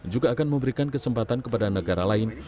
juga akan memberikan kesempatan kepada negara lain